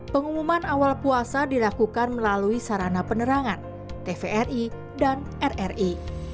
pengumuman awal puasa dilakukan melalui sarana penerangan tvri dan rri